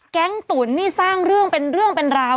ตุ๋นนี่สร้างเรื่องเป็นเรื่องเป็นราว